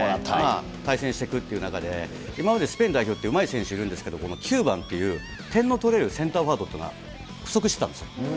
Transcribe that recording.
対戦していくっていう中で、今までスペイン代表でうまい選手いるんですけれども、この９番っていう点の取れるセンターフォワードっていうのは不足してたんですよ。